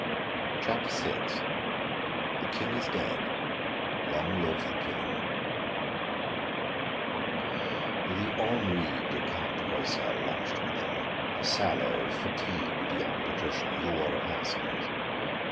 CHAPTER VI "THE KING IS DEAD LONG LIVE THE KING" The ennuied Count Rosal lunched with them, a sallow, fatigued young patrician who wore a pince nez.